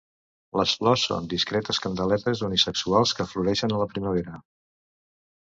Les flors són discretes candeletes unisexuals que floreixen a la primavera.